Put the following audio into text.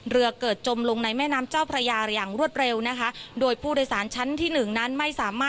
เรือเกิดจมลงในแม่น้ำเจ้าพระยา